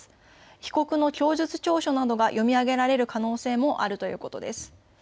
被告の供述調書などが読み上げられる可能性もあるということです。